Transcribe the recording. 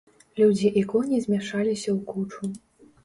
Людзі і коні змяшаліся ў кучу.